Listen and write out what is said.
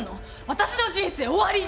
私の人生終わりじゃん！